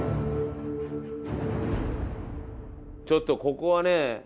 ちょっとここはね。